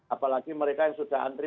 apalagi mereka yang sudah antri